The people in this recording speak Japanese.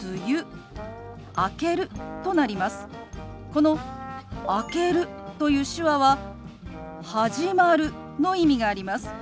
この「明ける」という手話は「始まる」の意味があります。